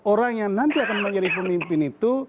orang yang nanti akan menjadi pemimpin itu